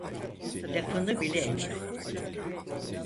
Lafını bile etme.